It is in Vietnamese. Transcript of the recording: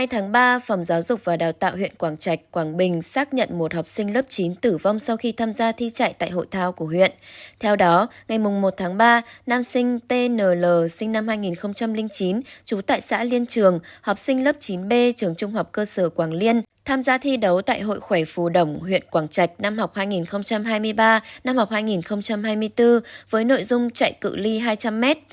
hãy đăng ký kênh để ủng hộ kênh của chúng mình nhé